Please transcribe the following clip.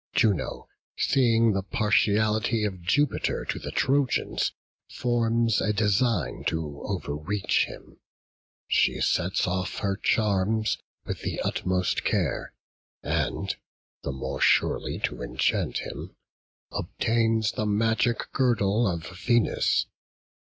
Juno, seeing the partiality of Jupiter to the Trojans, forms a design to overreach him; she sets off her charms with the utmost care, and (the more surely to enchant him) obtains the magic girdle of Venus.